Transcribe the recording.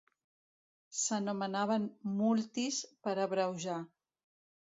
S'anomenaven "Multis" per abreujar.